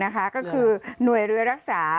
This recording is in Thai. ก็คือหน่วยเรือรักษา